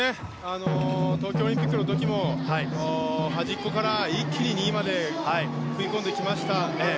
東京オリンピックの時も端っこから一気に２位まで食い込んできましたから。